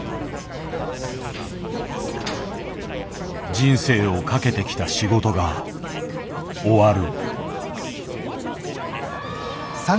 人生を懸けてきた仕事が終わる。